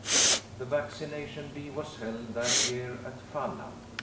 The vaccination bee was held that year at Falla.